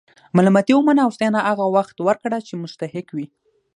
ملامتي ومنه او ستاینه هغه وخت ورکړه چې مستحق وي.